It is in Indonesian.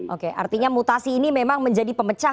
oke artinya mutasi ini memang menjadi pemecah